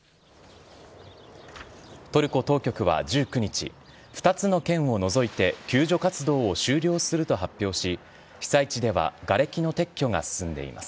トルコ当局は１９日、２つの県を除いて、救助活動を終了すると発表し、被災地ではがれきの撤去が進んでいます。